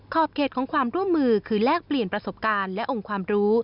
เขตของความร่วมมือคือแลกเปลี่ยนประสบการณ์และองค์ความรู้